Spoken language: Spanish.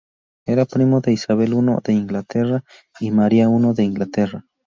Era primo de Isabel I de Inglaterra y Maria I de Inglaterra.